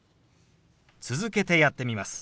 続けてやってみます。